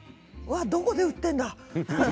どこで売っているんだ？